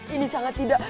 ini sangat tidak